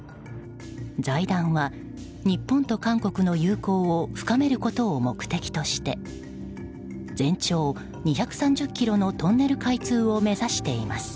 財団は、日本と韓国の友好を深めることを目的として全長２３０ｋｍのトンネル開通を目指しています。